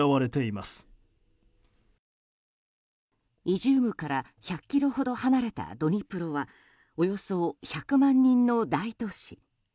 イジュームから１００ｋｍほど離れたドニプロはおよそ１００万人の大都市。